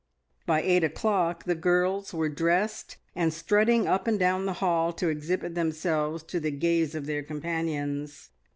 By eight o'clock the girls were dressed and strutting up and down the hall to exhibit themselves to the gaze of their companions.